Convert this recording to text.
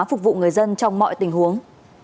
phục vụ người dân trong mọi tình huống